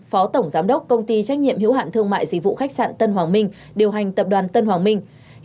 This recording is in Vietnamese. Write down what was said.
phó tổng giám đốc công ty trách nhiệm hiếu hạn thương mại dịch vụ khách sạn tân hoàng minh điều hành tập đoàn tân hoàng minh